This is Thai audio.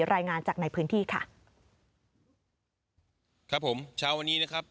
รายงานจากในพื้นที่ค่ะครับผมเช้าวันนี้นะครับ